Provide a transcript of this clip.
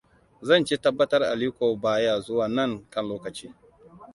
Zan ci tabbatar Aliko ba ya zuwa nan kan lokaci.